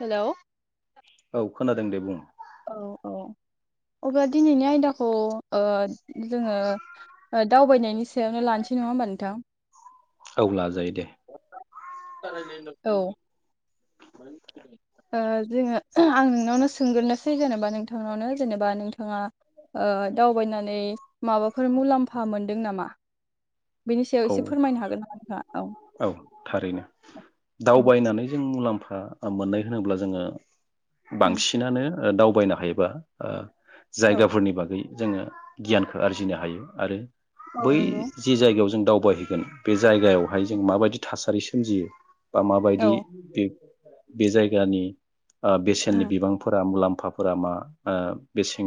Hello औ खोनादों दे बुं औ औ अब्ला दिनैनि आयदाखौ ओ जोङो ओ दावबायनायनि सायावनो लानिसै नङा होमबा नोंथां औ लाजायोदे औ ओ जोङो आं नोंनावनो सोंग्रोनोसै जेनेबा नोंथांनावनो जेनेबा नोंथाङा ओ दावबायनानै माबाफोर मुलाम्फा मोनदों नामा बेनि सायाव औ एसे फोरमायनो हागोन नामा नोंथाङा? औ थारैनो उम दावबायनानै जों मुलाम्फा आ ओ मोननाय होनोब्ला जोङो उम बांसिनानो दावबायनो हायोबा ओ औ जायगाफोरनि बागै जोङो गियानखो आरजिनो हायो आरो औ बै नंगौ जि जायगायाव जों दावबायहैगोन बे जायगायावहाय जों माबायदि थासारि सोमजियो बा औ माबायदि बे बे जायगानि आ बेसेननि उम बिबांफोरा मुलाम फाफोरा मा ओ बेसिं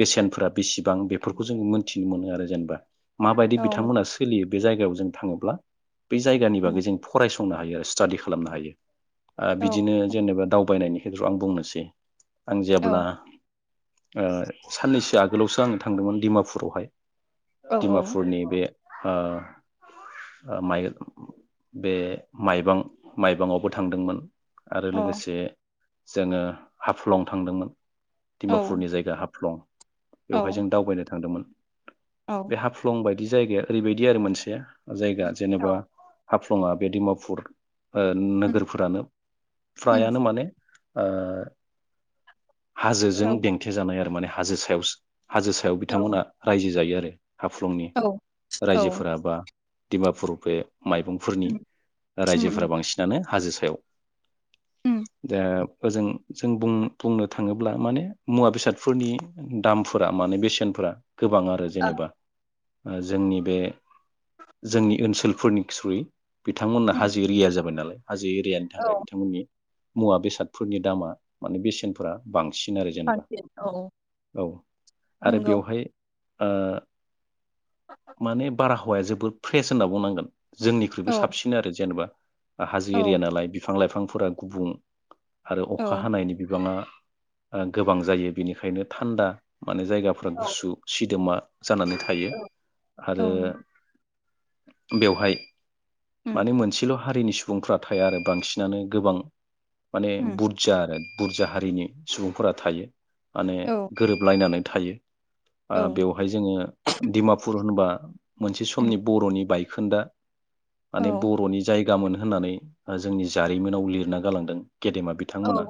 बेसेनफोरा बिसिबां बेफोरखौ जों मोनथिनो मोनो आरो जेनेबा माबायदि औ मोन बिथांमोना सोलियो बे जायगायाव जों थाङोब्ला बे जायगानि उम बागै जों फरायस संनो हायो आरो स्टादि खालामनो हायो। ओ औ बिदिनो जेनेबा दावबायनायनि [unintelligible] आं बुंनोसै आं औ जेब्ला ओ साननैसो आ गोलावसो आं थांदोंमोन दिमापुरावहाय, औ दिमापुरनि बे ओ माइ बे माइबां माइबांआवबो थांदोंमोन आरो अ लोगोसे जोङो हाफ्लं थांदोंमोन, औ दिमापुरनि जायगा हाफलं, औ बेवहाय जों दावबायनो थांदोंमोन। औ बे हाफलं बाय दि जायगाया ओरैबायदि आरो मोनसे [unintelligible] जायगा औ जेनेबा हाफ लङा बे दिमापुर ओ उम नोगोरफोरानो उम फ्रायानो माने ओ हाजोजों औ देंथे जानाय आरो माने हाजो सायावसो, हाजो सायाव औ बिथांमोना रायजो जायो आरो। [unintelligible] हाफलंनि औ औ रायजोफोरा बा दिमापुराव बे माइबंफोरनि उम रायजोफोरा उम बांसिनानो हाजो सायाव उम दा ओजों जों बुं बुंनो थाङोब्ला माने मुवा बेसादफोरनि दामफोरा माने बेसेनफोरा गोबां आरो ओ जेनेबा ओ जोंनि बे जोंनि ओनसोलफोरनि थ्रुयै बिथांमोनहा उम हाजो एरिया जाबाय नालाय हाजो एरियानि औ थाखाय बिथांमोननि मुवा बेसादफोरनि दामा माने बेसेनफोरा बां सिन आरो जेनेबा बांसिन औ औ आरो नंगौ बेवहाय ओ माने बारा- जोब बहुद फ्रेस होनना बुंनांगोन जोंनिख्रुइबो औ साबसिन आरो जेनेबा हाजो औ एरिया नालाय बिफां लाइफां- फोरा गुबुं आरो औ अखा हानायनि बिबाङा गोबां जायो बेनिखायनो थान्दा माने जायगाफ्रा औ गुसु सिदोमा जानानै थायो औ आरो उम बेवहाय माने उम मोनसेल' हारिनि सुबुंफ्रा थाया आरो बांसिनानो गोबां माने बुदजा आरो बुदजा हारिनि सुबुंफोरा थायो। माने औ गोरोबलायनानै थायो औ बेवहाय जोङो डिमापुर होनबा मोनसे समनि- उम खोनदा औ माने बर'नि जायगामोन होननानै जोंनि जारिमिनाव लिरना गालांदों। गेदेमा औ बिथांमोना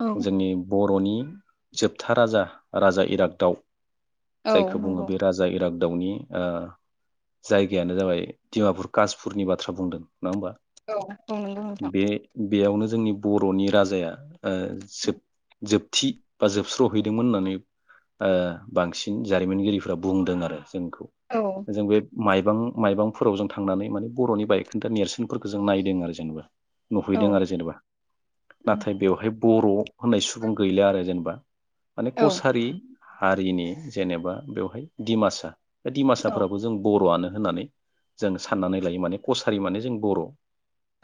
औ जोंनि बर' बर'नि जोबथा राजा राजा इरागदाव औ जायखौ बुङो नंगौ बे राजा इराग दाउनि ओ जायगायानो जाबाय डिमापुर कासपुरनि बाथ्रा बुंदों। नङा होमबा औ औ नंगौ नोंथां बे बेयावनो जोंनि बर'नि राजाया जोब जोब- थि बा जोबस्र'हैदोंमोन होननानै ओ बांसिन जारिमिनगिरिफ्रा बुंदों आरो जों औ जों बे माइबां माइबांफोराव जों थांनानै माने बर'नि बायखोन्दा नेरसोनफोरखौ जों नायदों आरो जेनेबा औ नुहैदों आरो जेनेबा उम नाथाय बेवहाय बर' होननाय सुबुं गैला आरो जेनेबा माने औ कसारि। हारिनि जेनेबा बेवहाय दिडिमासा बे औ दिमासाफोराबो जों बर'आनो होननानै जों साननानै लायो माने कसारि माने जों बर'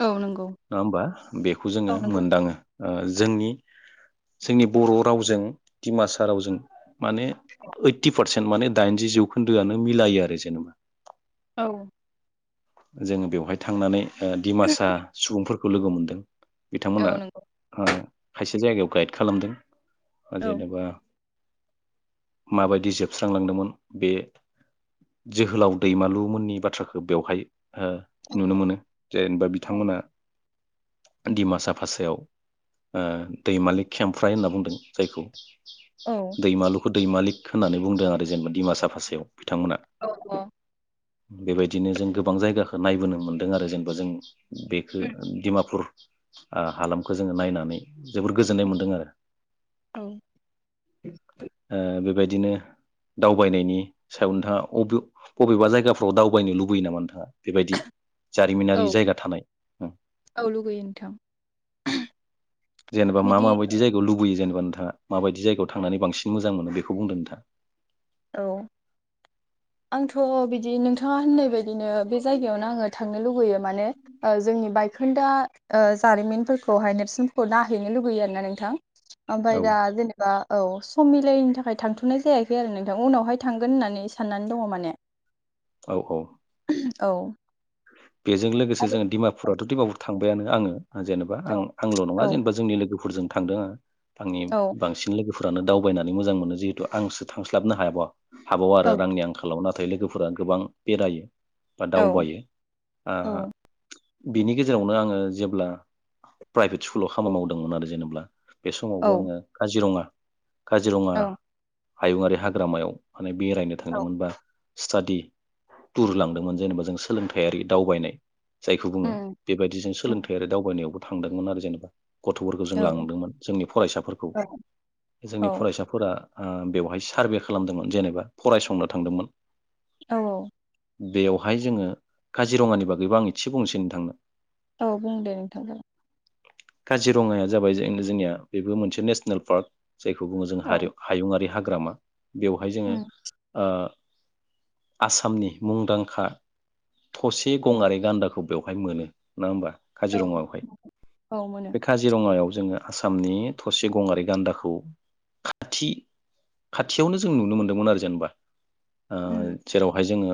औ नंगौ नङा होमबा बेखौ जोङो औ नंगौ मोनदाङो ओ जोंनि जोंनि बर' रावजों दिमासा रावजों माने ओइटि पारसेन्ट माने दाइनजि जौखोन्दोआनो मिलायो आरो जेनेबा औ जोङो बेवहाय थांनानै ओ दिमासा सुबुंफोरखौ लोगो मोनदों [inaudible] बिथांमोना औ नंगौ ओ खायसे जायगायाव गाइद खालामदों ओ औ जेनेबा माबायदि जोबस्रांलांदोंमोन बे जोहोलाव दैमालु मोननि बाथ्राखौ बेवहाय हो औ नुनो मोनो जेनेबा बिथांमोना दिमासा बासायाव ओ दैमालि खेमफ्राय होनना बुंदों जायखौ औ दैमालु खौ दैमालिक होननानै बुंदों आरो जेनेबा दिडिमासा फासायाव बिथांमोना अ' बेबायदिनो जों गोबां जायगाखौ नायबोनो मोनदों आरो जेनेबा जों बेखौ उम दिमापुर ओ हालामखौ जोङो नायनानै जोबोर गोजोननाय मोनदों आरो औ ओ बेबायदिनो दावबायनायनि सायाव नोंथाङा अ'बे अ'बेबा जायगाफ्राव दावबायनो लुबैयो नामा नोंथाङा बेबायदि औ जारिमिनारि जायगा थानाय ओं औ लुगैयो नोंथां जेनेबा मा बिदि माबायदि जायगायाव लुबैयो जेनबा नोंथाङा माबायदि जायगायाव थांनानै बांसिन मोजां मोनो बेखौ बुंदों नोंथाङा औ आंथ' बिदि नोंथाङा होननाय बायदिनो बे जायगायावनो आङो थांनो लुगैयो माने ओ जोंनि बायखोन्दा ओ जारिमिनफोरखौहाय नेरसोनखौ नायहैनो लुगैयो आरोना नोंथां ओमफाय औ दा जेनेबा औ सम' मिलायनि थाखाय थांथ'नाय जायाखै आरो नों दा उनावहाय थांगोन होननानै साननानै दङ माने औ औ औ बेजों लोगोसे जों आरो औ दिमापुराथ' दिमापुर था थांबायानो आंङो जेनेबा आं आंल' नङा औ जेनेबा जोंनि लोगो फोरजों थांदों आं। आंनि औ बांसिन लोगो फोरानो दावबायनानै मोजां मोनो जिहेतु आंसो थांस्लाबनो हायाब हाबाव औ आरो रांनि आंखालाव ना नाथाय लोगोफोरा गोबां बेरायो। बा औ दावबायो। आ बिनि गेजेरावनो आङो जेब्ला प्राइभेट स्कुलाव खामानि मावदोंमोन आरो जेनेब्ला बे औ समावबो आंङो काजिरङा काजीरङा औ हायुंङारि हाग्रामायाव माने बेरायनो औ थांदोंमोनबा स्टादि टुर लांदोंमोन जेनेबा जों सोलोंथाइ आरि दावबायनाय जायखौ बुङो उम बेबायदिजों उम सोलोंथाइ आरो दावबायनायावबो थांदोंमोन आरो जेनेबा। गथ'फोरखौ जों औ लांदोंमोन जोंनि फरायसाफोरखौ औ जोंनि औ फरायसाफोरा बेवहाय सारभे खालामदोंमोन जेनेबा फरायसंनो थांदोंमोन। औ औ बेयावहाय जोंङो काजिरंङानि बागैब आं एसे बुंनोसै नोंथांनो। औ बुं दे नोंथांखौ काजिरङाया जाबाय जे जोंनिया बेबो मोनसे नेसनेल पार्क जायखौ बुङो जों औ हयुं हायुङारि हाग ग्रामा बेवहाय जोंङो उम ओ आसामनि मुंदांखा थसे उम गंआरि गान्दाखौ बेवहाय मोनो नों होमबा? औ काजिरंङायावहाय औ मोनो बे काजिरंङायाव जोंङो आसामनि थरसे गंआरि गान्दाखौ खाथि खाथियावनो जों नुनो मोनदोंमोन आरो जेनेबा उम जेरावहाय जोंङो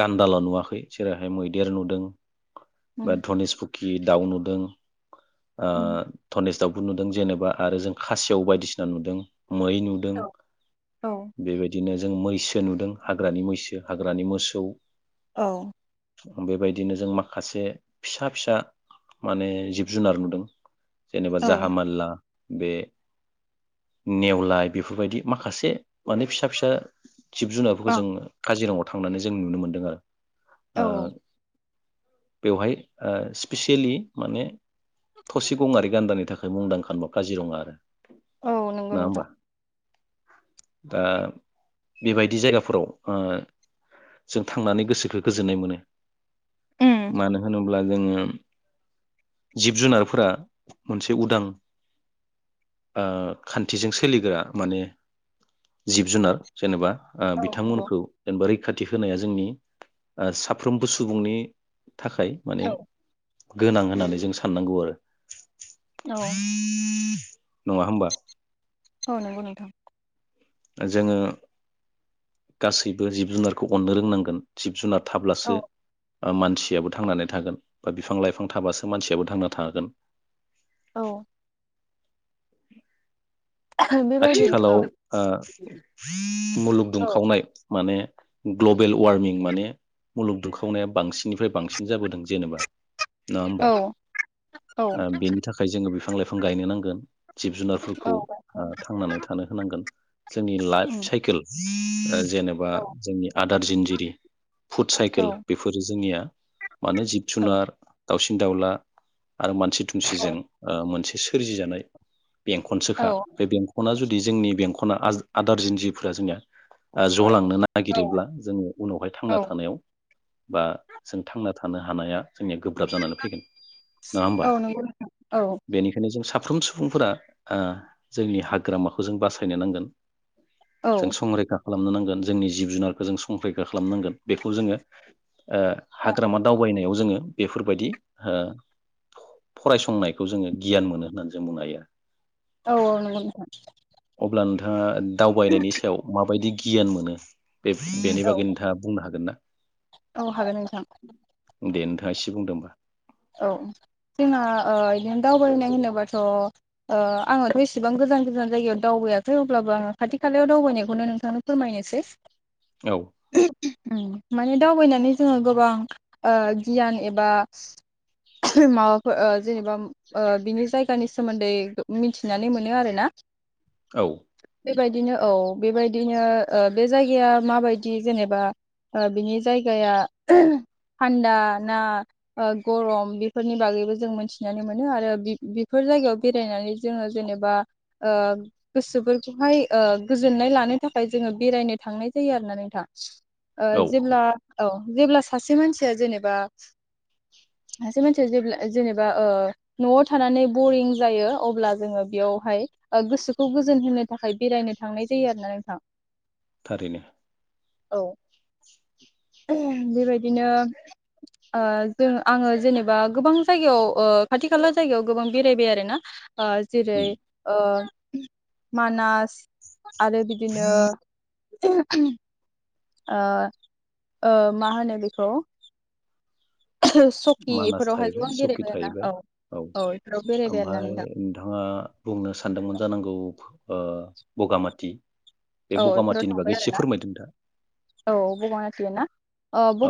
गान्दाल' नुवाखै जेरैहाय मैदेर नुदों उम बा धनेस फुथि कि दाउ नुदों आ उम धनेश दाव बो नुदों जेनेबा आरो जों खासेव बायदिसिना नुदों मै नुदों औ औ बेबायदिनो जों मैसो नुदों हाग्रानि मैसो हाग्रानि मोसौ औ बेबायदिनो जों माखासे फिसा फिसा माने जिब जुनार नुदों जेनेबा औ जाहामालला बे नेवलाय बेफोरबायदि माखासे माने फिसा फिसा जिब जुनारफोरखौ औ जों काजिरङा थांनानै जों नुनो मोन्दों आरो आ औ बेवहाय स्पेसियेलि माने थसे गङारि गान्दानि थाखाय मुंदांखा होनबा काजिरङा आरो औ नंगौ नङा होमबा नोंथां दा बेबायदि जायगाफोराव जों थांनानै गोसो बेखौ गोजोननाय मोनो उम मानो होनो होमब्ला जोङो जिब जुनारफोरा मोनसे उदां खान्थिजों सोलिग्रा माने जिब जुनार जेनेबा औ नंगौ बिथांमोनखौ जों बोरै रैखाथि होनाया जोंनि साफ्रोमबो सुबुंनि थाखाय माने औ गोनां होननानै जों साननांगौ आरो [inaudible] नङा होमबा औ नंगौ नोंथां जोङो गासैबो जिब जुनारखौ अननो रोंनांगोन जिब जुनार औ थाब्लासो मानसियाबो थांनानै थागोन बा बिफां लाइफां थाबासो मानसियाबो थांना थागोन औ बेबायदि औ आथिखालाव मुलुग औ दुंखावनाय माने ग्लबेल वार्मिं माने मुलुग दुखावनाया बांसिननिफ्राय बांसिन जाबोदों जेनेबा नङा होमबा औ बेनि थाखाय जोङो बिफां लाइफां जों गायनो नांगोन जिब औ जुनारफोरखौ ओ थांनानै थानो होनां गोन जोंनि लाइफ उम साइकेल ओ जेनेबा औ जोंनि आद दारजिनजिरि फुड औ औ साइकेल बेफोरो जोंनिया माने जिब जुनार दाउसिन दावला आरो मानसि दुमसिजों ओ मोनसे सोरजिजानाय औ बेंखनसोखा बे बेंख'ना जुदि जोंनि बेंख' ना आज-आदार जिनजिफोरा जोंनिया ओ ज'लांनो औ नागिरोब्ला जोङो उनावहाय औ थांना थानायाव बा जों थांना थानो हानाया जोंनिया गोब्राब जानानै फैगोन नङा होमबा औ नंगौ नोंथां औ बेनिखायनो जों सा फ्रोम सुबुंफोरा ओ जोंनि हाग्रामाखौ जों बासायनो नांगोन औ जों संरैखा खालामनो नांगोन जोंनि जिब जुनारखौ जों संखरैखा खालामनांगोन बेखौ जोङो ओ हाग्रामा दावबायनायाव जोङो बेफोरबायदि ओ फ-फरायसंनायखौ जोङो गियान मोनो होननानै जों बुंनो हायो आरो । औ औ नंगौ नोंथां । अब्ला नोंथाङा दावबायनायनि सायाव माबायदि गि गियान मोनो बे-बेनि औ बागै नोंथाङा बुंनो हागोन ना? औ हागोन नोंथां दे नोंथाङा एसे बुंदों होमबा औ जोंना ओ इदिनो दावबायनाय होनोबाथ' ओ आङोथ' एसेबां गोजान गोजान जायगायाव दावबायाखै अब्लाबो आङो खाथि खालायाव दावबायनायखौनो नोंथांनो फोरमायनोसै औ' उम माने दावबायनानै जोङो गोबां ओ गियान एबा [inaudible] माबाफोर ओ जेनेबा ओ बिनि जायगानि सोमोन्दै मिथिनानै मोनो आरोना औ बेबायदिनो औ बेबायदिनो ओ बे जायगाया माबायदि जेनेबा ओ बिनि जायगाया थान्दा ना आ गरम बेफोरनि बागैबो जों मोनथिनानै मोनो आरो बेफोर जायगायाव बेरायनानै जोङो जेनेबा गोसोफोरखौहाय गोजोननाय लानो थाखाय जोङो बेरायनो थांनाय जायो आरो ना नोंथां ओ औ जेब्ला औ' जेब्ला सासे मानसिया जेनेबा सासे मानसिया जेब्ला जेनेबा ओ न'आव थानानै बरिं जायो अब्ला जोङो बेयावहाय गोसोखौ गोजोन होनो थाखाय बेरायनो थांनाय जायो आरो नोंथां थारैनो [inaudible] औ बेबायदिनो आ जों आङो जेनेबा गोबां जायगायाव ओ खाथि खाला जायगायाव गोबां बेरायबाय आरोना आ जेरै उम ओ मानास आरो बिदिनो [inaudible] आं ओ मा होनो बेखौ? सकि मानास इफोरावहाय थाहैबाय गोबां सखि बेरायबाय आरोना थाहैबाय औ औ इफोराव बेरायबाय आरोना ओमफ्राय नोंथां नोंथाङा बुंनो सानदोंमोन जानांगौ ओ बगामाथि बे औ बेफोराव बगामाथिनि बागै थांबाय एसे आरोना फोरमायदों दा औ बगामाथिय ना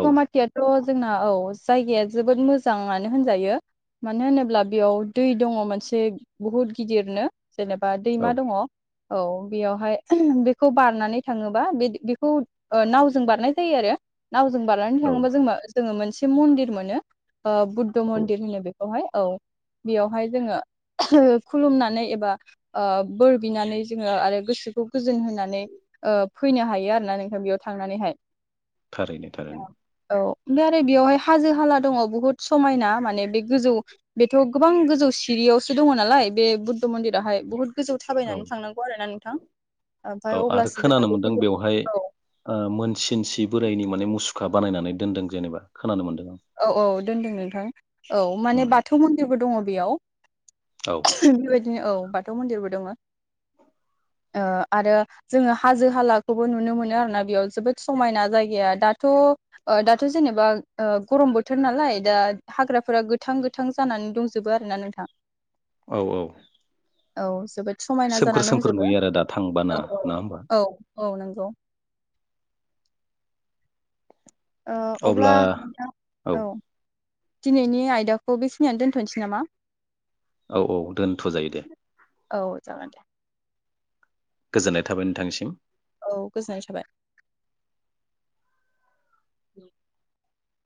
औ जोंना औ जायगाया जोबोद मोजाङानो होनजायो मानो होनोब्ला बेयाव दै दङ मोनसे बहुद गिदिरनो जेनेबा औ दैमा दङ औ बेयावहाय उह बेखौ बारनानै थाङोबा बे बेखौ ओ नावजों बारनाय जायो आरो नावजों बारनानै औ थाङोबा [unintelligible] जोङो मोनसे मन्दिर मोनो बुद्ध औ मन्दिर होनो बेखौहाय औ बेयावहाय जोङो खुलुमनानै एबा ओ बोर बिनानै जोङो आरो गोसोखौ गोजोन होनानै [unintelligible] ओ फैनो हायो आरोना नोंथ बेयाव थांनानैहाय थारैनो थार औ ओमफ्राय आरो बेवहाय हाजो हाला दङ बहुद समायना माने बे गोजौ बेथ' गोबां गोजौ सिरियावसो दङ नालाय बे बुद्ध मन्दिराहाय बहुद गोजौ औ थाबायनानै थांनांगौ आरो ना नोंथां ओमफ्राय औ आरो अब्लासो जोंहा खोनानो बे मोनदों बुद्ध बेवहाय औ मोनसिनसि बोरायनि माने मुसुखा बानायनानै दोनदों जेनेबा खानो मोनदों । औ औ दोनदों नोंथां। औ माने बाथौ मन्दिरबो दङ। बेयाव। औ [unintelligible] बिनो औ बाथौ मन्दिरबो दंङो ओ आरो जोंङो हाजो-हालाखौबो नुनो मोनो आरोना बेयाव जोबोद समायना जायगाया दाथ' ओ दाथ' जेनेबा ओ गरम बोथोर नालाय दा हाग्राफोरा गोथां गोथां जानानै दंजोबो आरोना नोंथां। औ औ। औ जोबोद समायना सोमखोर जानानै सोमखोर दंजोबो नुयो आरो दा थांबाना औ नङा होमबा औ औ औ नंगौ। अब्ला नोंथां औ। दिनैनि आयदाखौ बेखिनियानो दोनथ'नोसै नामा? औ औ दोनथ' जायो दे। औ जागोन दे गोजोननाय थाबाय नोंथांसिम। औ गोजोननाय थाबाय।